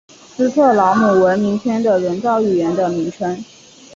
斯特劳姆文明圈的人造语言的名称。